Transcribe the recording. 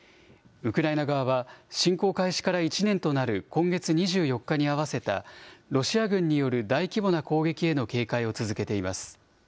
ウクライナ側は、侵攻開始から１年となる今月２４日に合わせた、ロシア軍による大規模な攻撃への警戒を続けています。